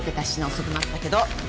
遅くなったけど。